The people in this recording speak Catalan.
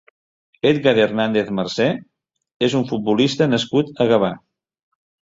Edgar Hernández Marcé és un futbolista nascut a Gavà.